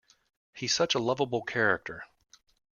He's such a lovable character.